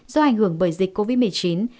do ảnh hưởng bởi dịch covid một mươi chín